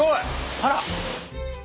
あら！